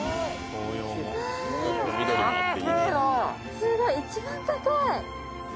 すごい、一番高い。